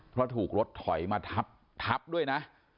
เพราะถูกรถถอยมาทับด้วยนะ